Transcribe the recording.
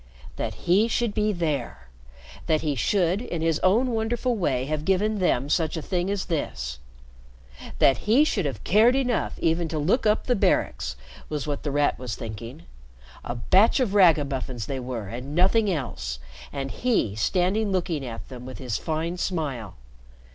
That he should be there! That he should, in his own wonderful way, have given them such a thing as this. That he should have cared enough even to look up the Barracks, was what The Rat was thinking. A batch of ragamuffins they were and nothing else, and he standing looking at them with his fine smile.